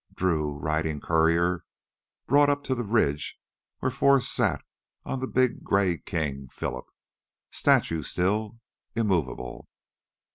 Drew, riding courier, brought up to the ridge where Forrest sat on the big gray King Phillip, statue still, immovable.